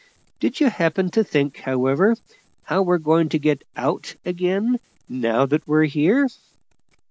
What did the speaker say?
Did ye happen to think, however, how we're going to get out ag'in, now that we're here?"